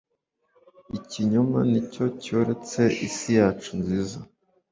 Ikinyoma nicyo cyoretse isi yacu nziza